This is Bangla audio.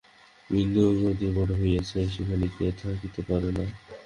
বিন্দুও গাওদিয়ায় বড় হইয়াছিল, সেখানে গিয়া থাকিতে পারো নাই।